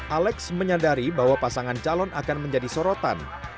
alex menyadari bahwa pasangan calon akan menjadi sorotan